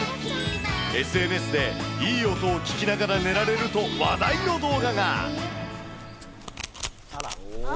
ＳＮＳで、いい音を聞きながら寝られると話題の動画が。